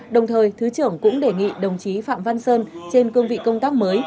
đồng thời thứ trưởng cũng đề nghị đồng chí phạm văn sơn trên cương vị công tác mới